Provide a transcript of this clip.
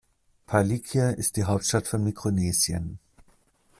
Palikir ist die Hauptstadt von Mikronesien.